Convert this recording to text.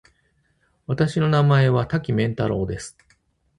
私の名前は多岐麺太郎です。